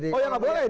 oh ya nggak boleh